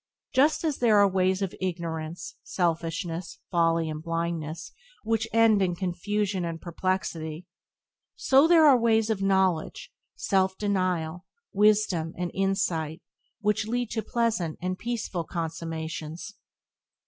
Just as there are ways of ignorance, selfishness, folly, and blindness which end in confusion and perplexity, so there are ways of knowledge, self denial, wisdom, and insight which lead to pleasant and peaceful consummations.